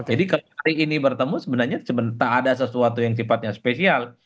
jadi kalau hari ini bertemu sebenarnya tak ada sesuatu yang sifatnya spesial